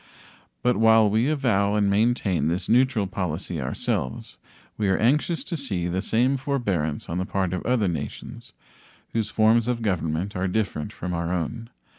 But while we avow and maintain this neutral policy ourselves, we are anxious to see the same forbearance on the part of other nations whose forms of government are different from our own.